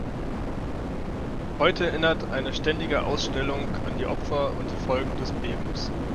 Heute erinnert eine ständige Ausstellung an die Opfer und die Folgen des Bebens.